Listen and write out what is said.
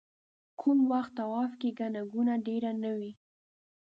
کوم وخت طواف کې ګڼه ګوڼه ډېره نه وي.